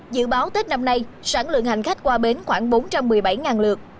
dự báo tết năm nay sản lượng hành khách qua bến khoảng bốn trăm một mươi bảy lượt